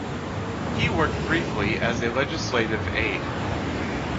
He worked briefly as a legislative aide.